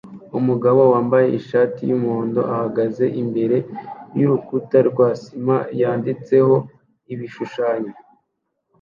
Umugabo wambaye ishati yumuhondo ahagaze imbere yurukuta rwa sima yanditseho ibishushanyo